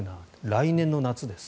来年の夏です。